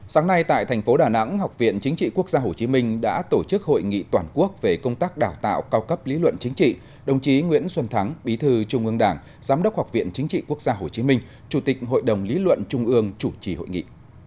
sáng nay tại thành phố đà nẵng học viện chính trị quốc gia hồ chí minh đã tổ chức hội nghị toàn quốc về công tác đào tạo cao cấp lý luận chính trị đồng chí nguyễn xuân thắng bí thư trung ương đảng giám đốc học viện chính trị quốc gia hồ chí minh chủ tịch hội đồng lý luận trung ương chủ trì hội nghị